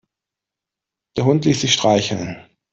Der Hund ließ sich streicheln.